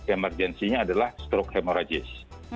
emergensinya adalah stroke hemorragis